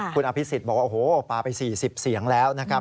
คุณอภิษฎบอกว่าโอ้โหปลาไป๔๐เสียงแล้วนะครับ